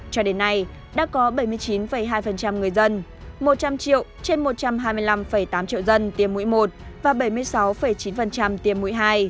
cho đến nay đã có bảy mươi chín hai người dân một trăm linh triệu trên một trăm hai mươi năm tám triệu dân tiêm mũi một và bảy mươi sáu chín tiêm mũi hai